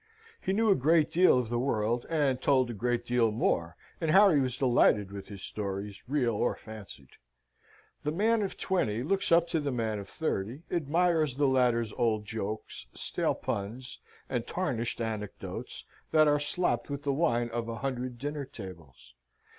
He knew a great deal of the world, and told a great deal more, and Harry was delighted with his stories, real or fancied. The man of twenty looks up to the man of thirty, admires the latter's old jokes, stale puns, and tarnished anecdotes, that are slopped with the wine of a hundred dinner tables.